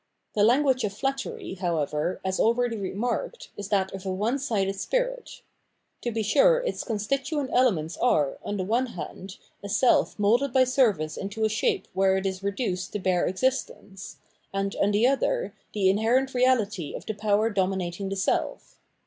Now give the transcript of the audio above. The language of flattery, however, as already remarked, is that of a one sided spirit. To be sure its constituent elements are, on the one hand, a self moulded by service into a shape where it is reduced to bare existence, and, on the other, the inherent reality of the power dominating the self.